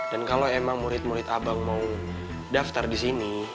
dan kalau emang murid murid abang mau daftar di sini